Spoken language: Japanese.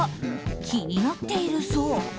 気になっているそう。